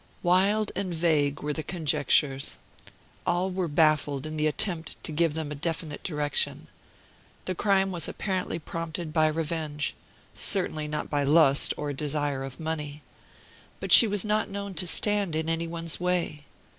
Wild and vague were the conjectures. All were baffled in the attempt to give them a definite direction. The crime was apparently prompted by revenge certainly not by lust, or desire of money. But she was not known to stand in any one's way.